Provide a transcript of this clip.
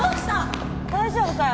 大丈夫かよ？